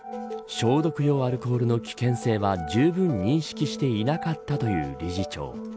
消毒用アルコールの危険性はじゅうぶん認識していなかったという理事長。